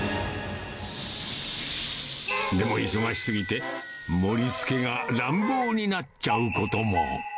でも忙しすぎて、盛りつけが乱暴になっちゃうことも。